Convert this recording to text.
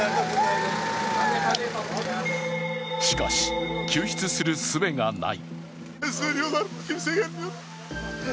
しかし、救出するすべがない。